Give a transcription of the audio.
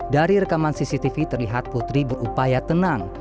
dari rekaman cctv terlihat putri berupaya tenang